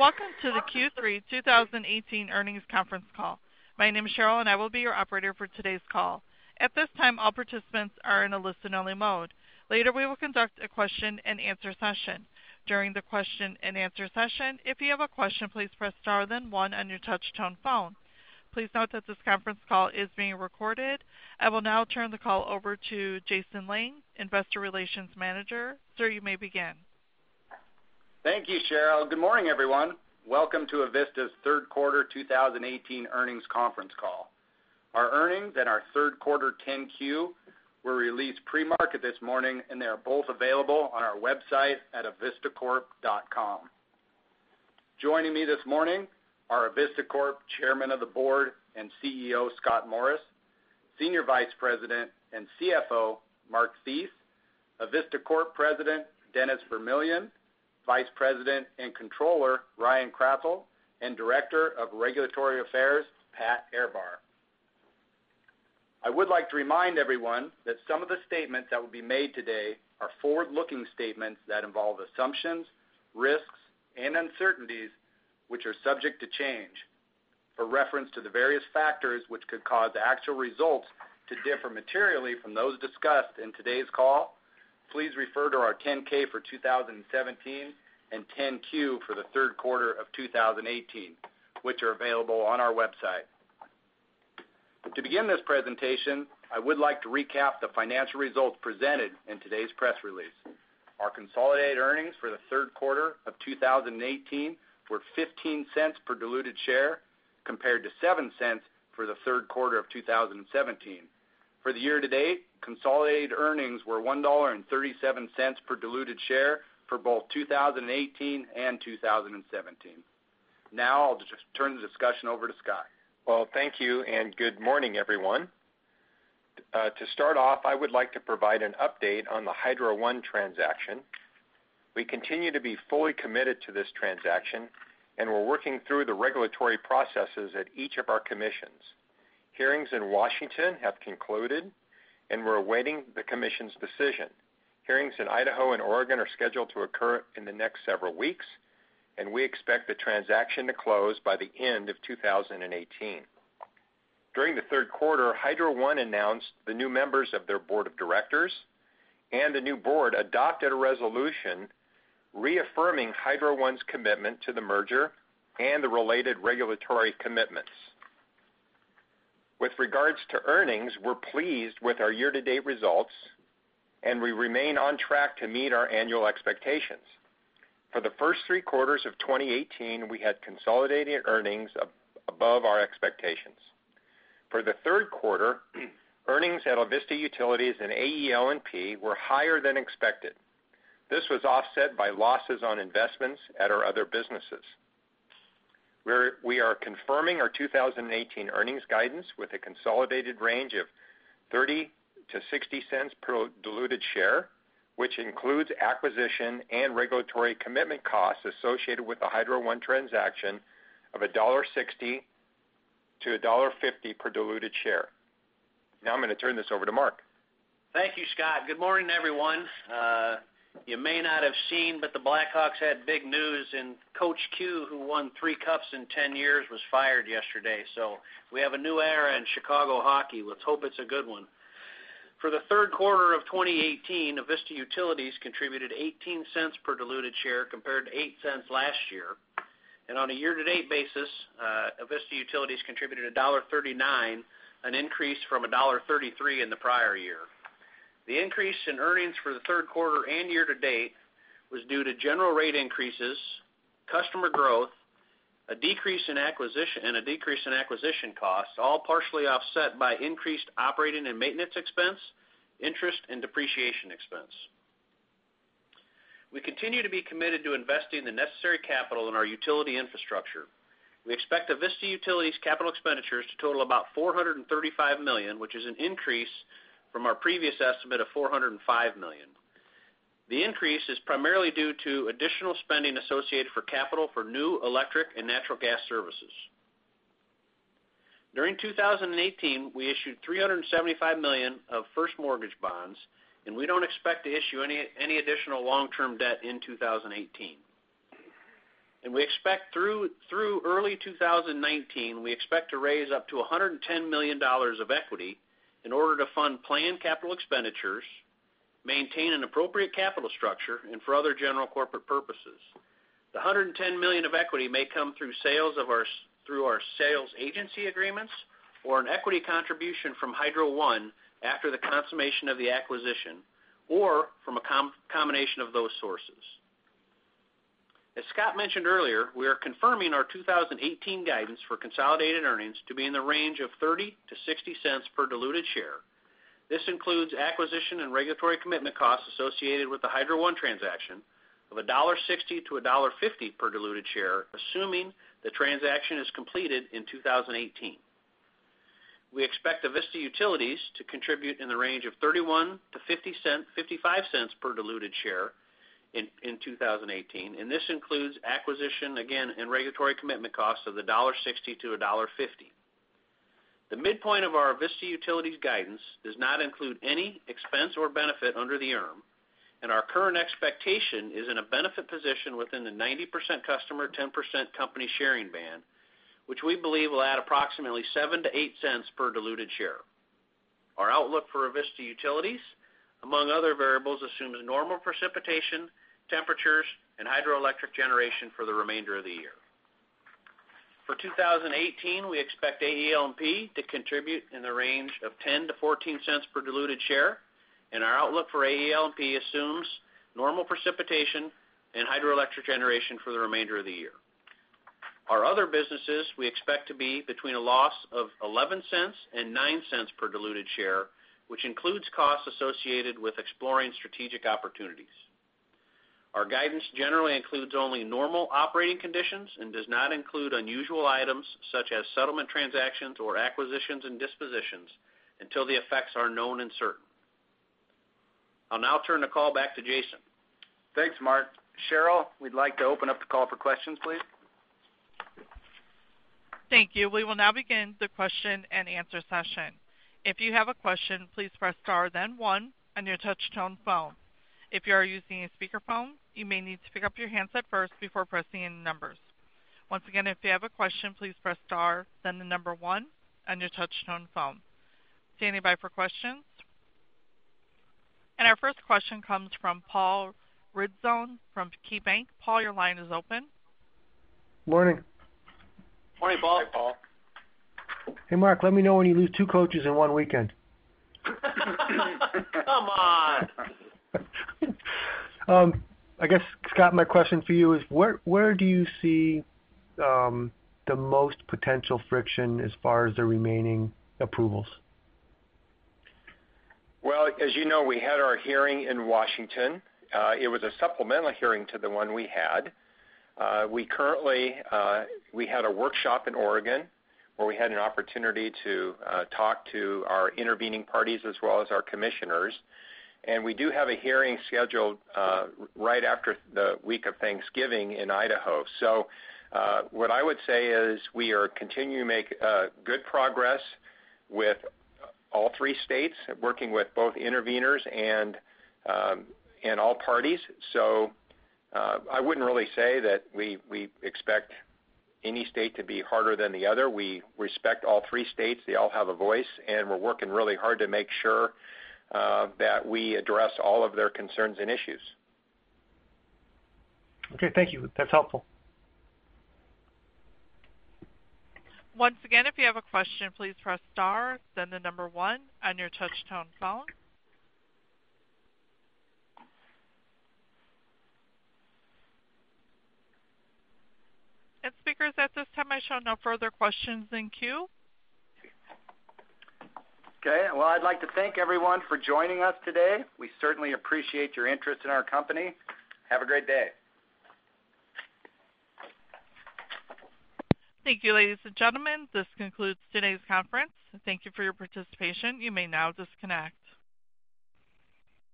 Welcome to the Q3 2018 earnings conference call. My name is Cheryl, and I will be your operator for today's call. At this time, all participants are in a listen-only mode. Later, we will conduct a question and answer session. During the question and answer session, if you have a question, please press star then one on your touch-tone phone. Please note that this conference call is being recorded. I will now turn the call over to Jason Lang, Investor Relations Manager. Sir, you may begin. Thank you, Cheryl. Good morning, everyone. Welcome to Avista's third quarter 2018 earnings conference call. Our earnings and our third quarter 10-Q were released pre-market this morning, and they are both available on our website at avistacorp.com. Joining me this morning are Avista Corp Chairman of the Board and CEO, Scott Morris, Senior Vice President and CFO, Mark Thies, Avista Corp President, Dennis Vermillion, Vice President and Controller, Ryan Krasselt, and Director of Regulatory Affairs, Patrick Ehrbar. I would like to remind everyone that some of the statements that will be made today are forward-looking statements that involve assumptions, risks, and uncertainties, which are subject to change. For reference to the various factors which could cause actual results to differ materially from those discussed in today's call, please refer to our 10-K for 2017 and 10-Q for the third quarter of 2018, which are available on our website. To begin this presentation, I would like to recap the financial results presented in today's press release. Our consolidated earnings for the third quarter of 2018 were $0.15 per diluted share, compared to $0.07 for the third quarter of 2017. For the year-to-date, consolidated earnings were $1.37 per diluted share for both 2018 and 2017. I'll just turn the discussion over to Scott. Thank you, and good morning, everyone. To start off, I would like to provide an update on the Hydro One transaction. We continue to be fully committed to this transaction, and we're working through the regulatory processes at each of our commissions. Hearings in Washington have concluded, and we're awaiting the commission's decision. Hearings in Idaho and Oregon are scheduled to occur in the next several weeks, and we expect the transaction to close by the end of 2018. During the third quarter, Hydro One announced the new members of their board of directors, and the new board adopted a resolution reaffirming Hydro One's commitment to the merger and the related regulatory commitments. With regards to earnings, we're pleased with our year-to-date results, and we remain on track to meet our annual expectations. For the first three quarters of 2018, we had consolidated earnings above our expectations. For the third quarter, earnings at Avista Utilities and AEL&P were higher than expected. This was offset by losses on investments at our other businesses, where we are confirming our 2018 earnings guidance with a consolidated range of $0.30-$0.60 per diluted share, which includes acquisition and regulatory commitment costs associated with the Hydro One transaction of $1.60-$1.50 per diluted share. Now I'm going to turn this over to Mark. Thank you, Scott. Good morning, everyone. You may not have seen, but the Blackhawks had big news, Coach Q, who won three Cups in 10 years, was fired yesterday. We have a new era in Chicago hockey. Let's hope it's a good one. For the third quarter of 2018, Avista Utilities contributed $0.18 per diluted share compared to $0.08 last year. On a year-to-date basis, Avista Utilities contributed $1.39, an increase from $1.33 in the prior year. The increase in earnings for the third quarter and year-to-date was due to general rate increases, customer growth, and a decrease in acquisition costs, all partially offset by increased operating and maintenance expense, interest, and depreciation expense. We continue to be committed to investing the necessary capital in our utility infrastructure. We expect Avista Utilities capital expenditures to total about $435 million, which is an increase from our previous estimate of $405 million. The increase is primarily due to additional spending associated for capital for new electric and natural gas services. During 2018, we issued $375 million of first mortgage bonds, we don't expect to issue any additional long-term debt in 2018. We expect through early 2019, we expect to raise up to $110 million of equity in order to fund planned capital expenditures, maintain an appropriate capital structure, and for other general corporate purposes. The $110 million of equity may come through our sales agency agreements or an equity contribution from Hydro One after the consummation of the acquisition or from a combination of those sources. As Scott mentioned earlier, we are confirming our 2018 guidance for consolidated earnings to be in the range of $0.30-$0.60 per diluted share. This includes acquisition and regulatory commitment costs associated with the Hydro One transaction of $1.60-$1.50 per diluted share, assuming the transaction is completed in 2018. We expect Avista Utilities to contribute in the range of $0.31-$0.55 per diluted share in 2018, this includes acquisition, again, and regulatory commitment costs of $1.60-$1.50. The midpoint of our Avista Utilities guidance does not include any expense or benefit under the ERM, our current expectation is in a benefit position within the 90% customer, 10% company sharing band, which we believe will add approximately $0.07-$0.08 per diluted share. Our outlook for Avista Utilities, among other variables, assumes normal precipitation, temperatures, and hydroelectric generation for the remainder of the year. For 2018, we expect AEL&P to contribute in the range of $0.10-$0.14 per diluted share, and our outlook for AEL&P assumes normal precipitation and hydroelectric generation for the remainder of the year. Our other businesses we expect to be between a loss of $0.11 and $0.09 per diluted share, which includes costs associated with exploring strategic opportunities. Our guidance generally includes only normal operating conditions and does not include unusual items such as settlement transactions or acquisitions and dispositions until the effects are known and certain. I'll now turn the call back to Jason. Thanks, Mark. Cheryl, we'd like to open up the call for questions, please. Thank you. We will now begin the question and answer session. If you have a question, please press star then one on your touch-tone phone. If you are using a speakerphone, you may need to pick up your handset first before pressing any numbers. Once again, if you have a question, please press star, then the number one on your touch-tone phone. Standing by for questions. Our first question comes from Paul Ridzon from KeyBank. Paul, your line is open. Morning. Morning, Paul. Hey, Paul. Hey, Mark, let me know when you lose two coaches in one weekend. Come on. I guess, Scott, my question for you is: Where do you see the most potential friction as far as the remaining approvals? Well, as you know, we had our hearing in Washington. It was a supplemental hearing to the one we had. We had a workshop in Oregon where we had an opportunity to talk to our intervening parties as well as our commissioners. We do have a hearing scheduled right after the week of Thanksgiving in Idaho. What I would say is we are continuing to make good progress with all three states, working with both interveners and all parties. I wouldn't really say that we expect any state to be harder than the other. We respect all three states. They all have a voice, and we're working really hard to make sure that we address all of their concerns and issues. Okay, thank you. That's helpful. Once again, if you have a question, please press star, then the number one on your touch-tone phone. Speakers, at this time, I show no further questions in queue. Okay. Well, I'd like to thank everyone for joining us today. We certainly appreciate your interest in our company. Have a great day. Thank you, ladies and gentlemen. This concludes today's conference, and thank you for your participation. You may now disconnect.